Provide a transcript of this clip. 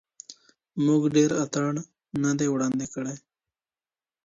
موږ ډېر اتڼ نه دی وړاندي کړی.